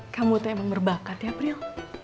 kamu tuh emang berbakat ya prill